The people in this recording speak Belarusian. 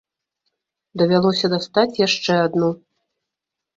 Давялося дастаць яшчэ адну.